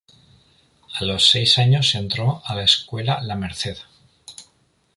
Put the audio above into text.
A los seis años entró a la escuela La Merced.